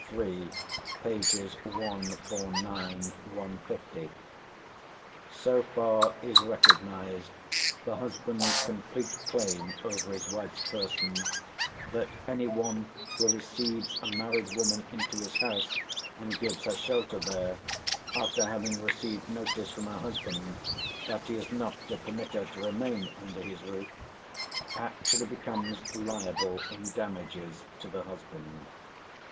iii., pp. 149, 150). So far is recognised the husband's complete claim over his wife's person, that anyone who receives a married woman into his house and gives her shelter there after having received notice from her husband that he is not to permit her to remain under his roof, actually becomes liable in damages to the husband.